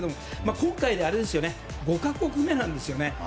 今回で５か国目なんですよね。